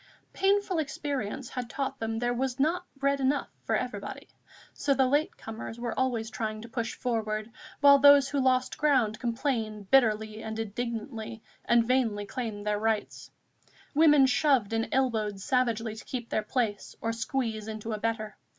Painful experience had taught them there was not bread enough for everybody; so the late comers were always trying to push forward, while those who lost ground complained bitterly and indignantly and vainly claimed their rights. Women shoved and elbowed savagely to keep their place or squeeze into a better.